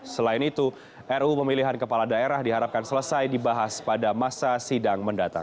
selain itu ruu pemilihan kepala daerah diharapkan selesai dibahas pada masa sidang mendatang